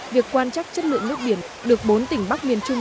việc quan trắc chất lượng nước biển được bốn tỉnh bắc nguyên trung